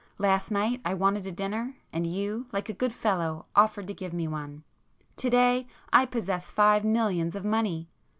Last night I wanted a dinner, and you, like a good fellow, offered to give me one,—to day I possess five millions of money!